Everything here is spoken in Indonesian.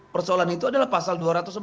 persoalan itu adalah pasal dua ratus empat puluh